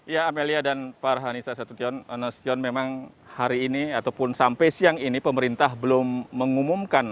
ya amelia dan farhanisation memang hari ini ataupun sampai siang ini pemerintah belum mengumumkan